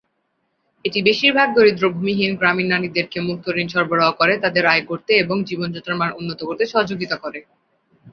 এটি বেশিরভাগ দরিদ্র, ভূমিহীন, গ্রামীণ নারীদেরকে মুক্ত ঋণ সরবরাহ করে তাদের আয় করতে এবং জীবনযাত্রার মান উন্নত করতে সহযোগিতা করে।